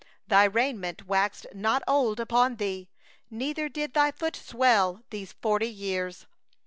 4Thy raiment waxed not old upon thee, neither did thy foot swell, these forty years.